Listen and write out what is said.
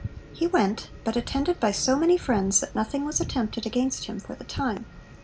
He went, but attended by so many friends that nothing was attempted against him for the time.